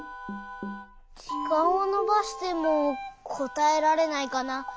じかんをのばしてもこたえられないかな。